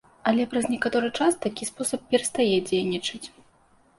Але праз некаторы час такі спосаб перастае дзейнічаць.